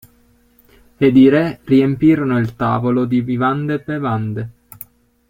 Ed i re riempirono il tavolo di vivande e bevande.